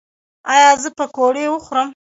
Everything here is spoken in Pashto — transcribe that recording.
ایا زه پکوړې وخورم؟